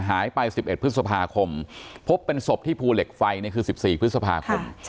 หายไป๑๑พฤษภาคมพบเป็นศพที่ภูเหล็กไฟคือ๑๔พฤษภาคม